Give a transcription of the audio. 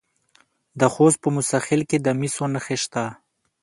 د خوست په موسی خیل کې د مسو نښې شته.